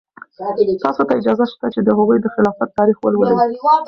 تاسو ته اجازه شته چې د هغوی د خلافت تاریخ ولولئ.